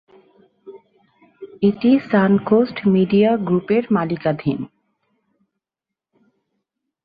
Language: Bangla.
এটি সান কোস্ট মিডিয়া গ্রুপের মালিকানাধীন।